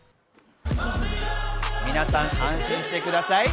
皆さん、安心してください！